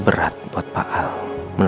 selama ini kita salah